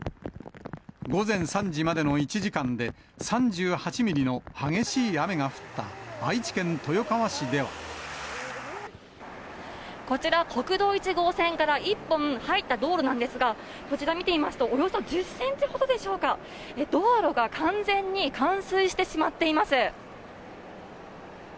午前３時までの１時間で３８ミリの激しい雨が降った愛知県豊川市こちら、国道１号線から１本入った道路なんですが、こちら見てみますと、およそ１０センチほどでしょうか、道路が完全に冠水してしまっています。